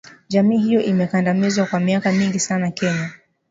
jamii hiyo imekandamizwa kwa miaka mingi sana Kenya